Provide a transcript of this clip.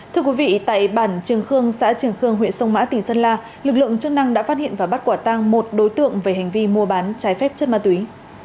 thưa quý vị tại bản trường khương xã trường khương huyện sông mã tỉnh sơn la lực lượng chức năng đã phát hiện và bắt quả tang một đối tượng về hành vi mua bán trái phép chất ma túy